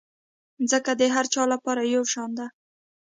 مځکه د هر چا لپاره یو شان ده.